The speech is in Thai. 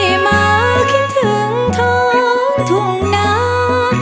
มาคิดถึงท้องทุ่งนา